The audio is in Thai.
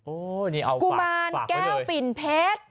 โอ้นี่เอาฝากฝากไว้เลยกุมารแก้วปิ่นเพชร